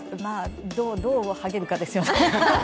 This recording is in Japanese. どうはげるかですよね。